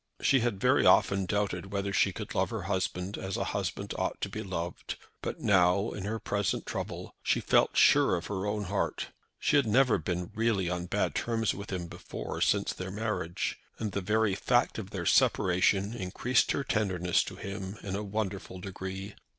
She had very often doubted whether she could love her husband as a husband ought to be loved, but now, in her present trouble, she felt sure of her own heart. She had never been really on bad terms with him before since their marriage, and the very fact of their separation increased her tenderness to him in a wonderful degree.